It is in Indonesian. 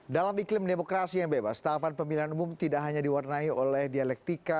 dalam iklim demokrasi yang bebas tahapan pemilihan umum tidak hanya diwarnai oleh dialektika